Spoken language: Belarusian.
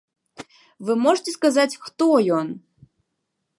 Вы можаце сказаць, хто ён?